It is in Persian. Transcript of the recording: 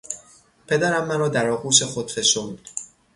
پدرم مرا در آغوش خود فشرد.